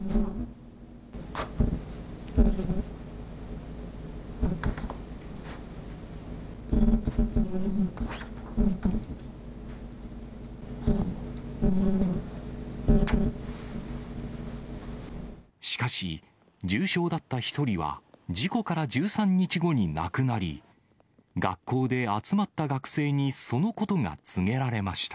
地面にぐるぐる、頑張って服を脱ごうとしていて、しかし、重症だった１人は事故から１３日後に亡くなり、学校で集まった学生にそのことが告げられました。